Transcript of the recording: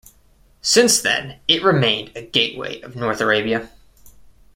Since then, it remained a gateway of North Arabia.